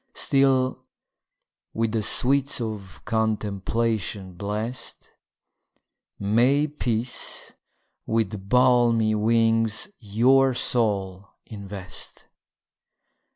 Still, with the sweets of contemplation bless'd, May peace with balmy wings your soul invest!